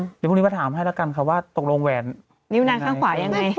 เดี๋ยวพรุ่งนี้มาถามให้แล้วกันค่ะว่าตกลงแหวนนิ้วนางข้างขวายังไง